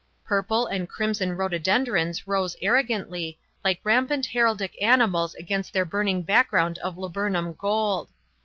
Purple and crimson rhododendrons rose arrogantly, like rampant heraldic animals against their burning background of laburnum gold.